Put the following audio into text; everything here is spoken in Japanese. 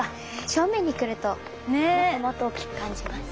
正面に来るともっともっと大きく感じます。